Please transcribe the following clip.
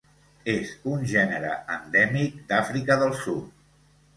És un gènere endèmic d'Àfrica del Sud.